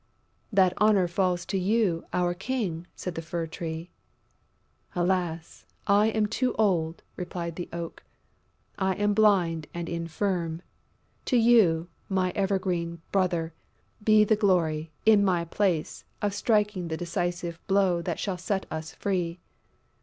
"That honour falls to you, our King!" said the Fir tree. "Alas, I am too old!" replied the Oak. "I am blind and infirm! To you, my evergreen brother, be the glory, in my place, of striking the decisive blow that shall set us free."